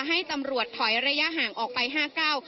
ให้ตำรวจถอยระยะห่างออกไปห้าเก้า